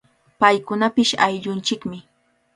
Paykunapish ayllunchikmi.